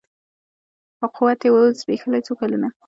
خو قوت یې وو زبېښلی څو کلونو